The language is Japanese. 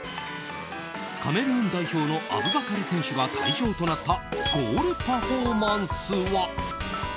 カメルーン代表のアブバカル選手が退場となったゴールパフォーマンスは。